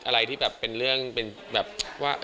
อะไรที่แบบเป็นเรื่องเป็นแบบว่า